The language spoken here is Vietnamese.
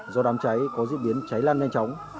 do đám cháy có diễn biến cháy lan nhanh chóng